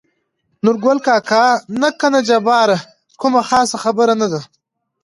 نورګل کاکا: نه کنه جباره کومه خاصه خبره نه ده.